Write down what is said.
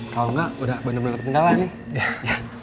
kalau enggak udah benar benar terpenggalan nih